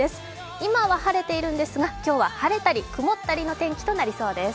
今は晴れているんですが今日は晴れたり曇ったりの天気となりそうです。